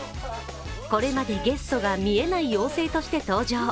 これまで、ゲストが見えない妖精として登場。